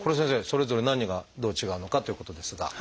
それぞれ何がどう違うのかということですが。